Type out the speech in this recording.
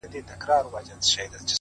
دا ستا د سترگو په كتاب كي گراني ؛